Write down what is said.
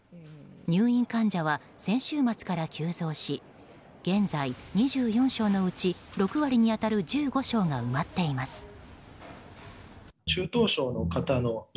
入院患者は先週末から急増し現在、２４床のうち６割に当たる１５床が埋まっています。